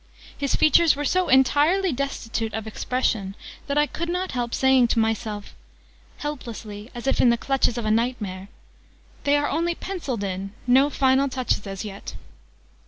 His features were so entirely destitute of expression that I could not help saying to myself helplessly, as if in the clutches of a night mare "they are only penciled in: no final touches as yet!"